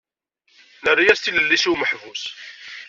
Nerra-as tilelli-s i umeḥbus.